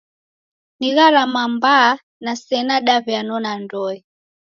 Ni gharama mbaa na sena daw'ianona ndoe.